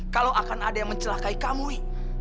kalau akan ada yang mencelakai kamu i